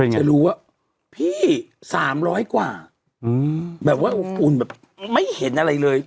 จะรู้ว่าพี่๓๐๐กว่าแบบว่าอบอุ่นแบบไม่เห็นอะไรเลย